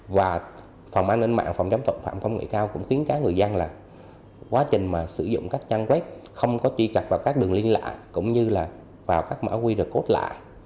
và phòng an ninh mạng phòng chống phạm phòng nghệ cao cũng khiến các người dân là quá trình mà sử dụng các trang web không có tri cập vào các đường liên lạc cũng như là vào các mẫu qr code lại